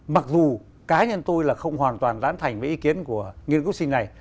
mặc dù cá nhân tôi là không hoàn toàn gián thành với ý kiến của nghiên cứu sinh này